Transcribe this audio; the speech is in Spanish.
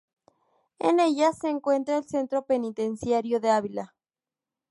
En ella se encuentra el centro penitenciario de Ávila.